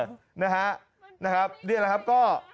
อือนะฮะนี่แหละครับก็ปรากฏว่า